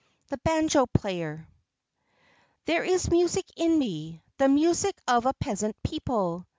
THE BANJO PLAYER There is music in me, the music of a peasant people.